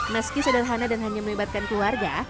meski sederhana dan hanya melibatkan keluarga